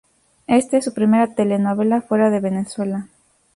Esta es su primera telenovela fuera de Venezuela.